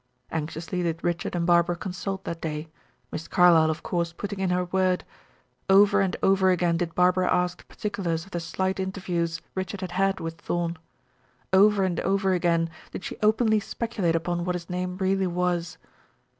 Anxiously did Richard and Barbara consult that day, Miss Carlyle of course putting in her word. Over and over again did Barbara ask the particulars of the slight interviews Richard had had with Thorn; over and over again did she openly speculate upon what his name really was.